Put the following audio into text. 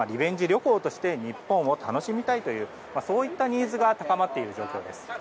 旅行として日本を楽しみたいというニーズが高まっている状況です。